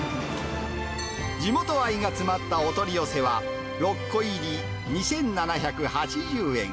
地元愛が詰まったお取り寄せは、６個入り２７８０円。